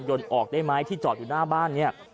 ยนต์ออกได้ไหมที่จอดอยู่หน้าบ้านเนี่ย